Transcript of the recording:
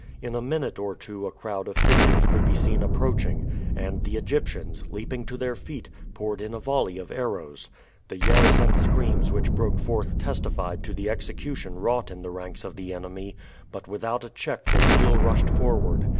In a minute or two a crowd of figures could be seen approaching, and the Egyptians, leaping to their feet, poured in a volley of arrows. The yells and screams which broke forth testified to the execution wrought in the ranks of the enemy, but without a check they still rushed forward.